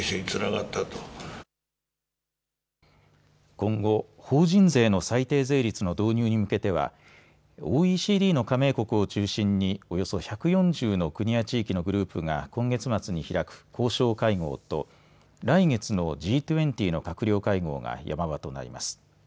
今後、法人税の最低税率の導入に向けてはＯＥＣＤの加盟国を中心におよそ１４０の国や地域のグループが今月末に開く交渉会合と来月のＧ２０の閣僚会合が山場となります。